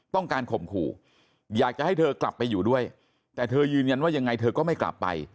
ข่มขู่อยากจะให้เธอกลับไปอยู่ด้วยแต่เธอยืนยันว่ายังไงเธอก็ไม่กลับไป